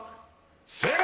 正解！